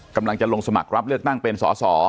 กำลังจะลงสมัครรับเลือกตั้งเป็นสอสอ